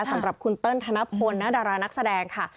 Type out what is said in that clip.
สำหรับคุณเติ้ลธนพลณดารานักแสดงค่ะ